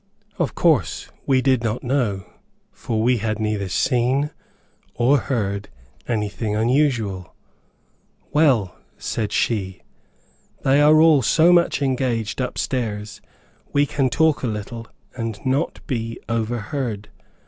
Of course we did not know, for we had neither seen or heard anything unusual. "Well," said she, "they are all so much engaged up stairs, we can talk a little and not be overheard.